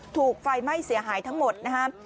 ถูกไฟไหม้เสียหายทั้งหมดนะครับ